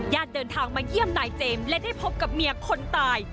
เดินทางมาเยี่ยมนายเจมส์และได้พบกับเมียคนตาย